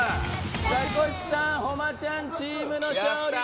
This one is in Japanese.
ザコシさん・誉ちゃんチームの勝利です！